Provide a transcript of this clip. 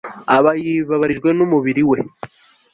aba yibabarijwe n'umubiri we